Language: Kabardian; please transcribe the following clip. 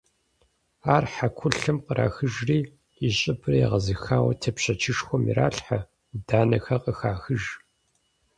Ар хьэкулъэм кърахыжри, и щӀыбыр егъэзыхауэ тепщэчышхуэм иралъхьэ, Ӏуданэхэр къыхахыж.